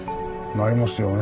なりますよね。